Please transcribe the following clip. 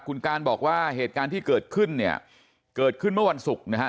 คุณการบอกว่าเหตุการณ์ที่เกิดขึ้นเนี่ยเกิดขึ้นเมื่อวันศุกร์นะฮะ